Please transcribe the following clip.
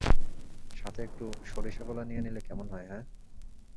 সাথে একটু সরিষাগোলা নিয়ে নিলে কেমন হয়, হ্যাঁ?